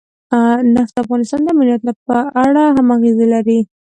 نفت د افغانستان د امنیت په اړه هم اغېز لري.